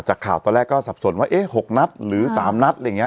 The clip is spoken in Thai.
จากข่าวตอนแรกก็สับสนว่าเอ๊ะ๖นัดหรือ๓นัดอะไรอย่างนี้